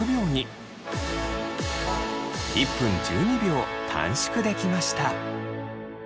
１分１２秒短縮できました。